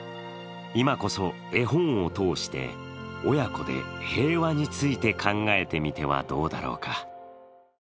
今こそ絵本を通して親子で平和について考えてみてはどうだろうか。